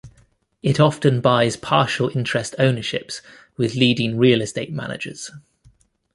It often buys partial interest ownerships with leading real estate managers.